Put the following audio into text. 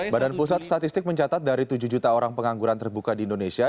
badan pusat statistik mencatat dari tujuh juta orang pengangguran terbuka di indonesia